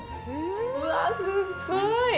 うわあ、すっごい。